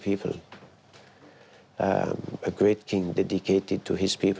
คุณพระอาทิตย์น้ำมันช่วยทุกคน